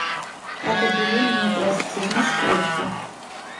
აგებულია ნეოკლასიციზმის სტილში.